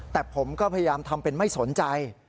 แต่ผมก็พยายามทำเป็นไม่สนใจ